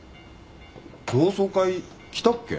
同窓会来たっけ？